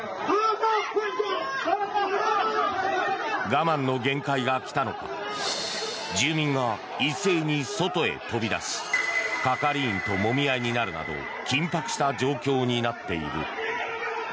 我慢の限界が来たのか住民が一切に外へ飛び出し係員と、もみ合いになるなど緊迫した状況になっている。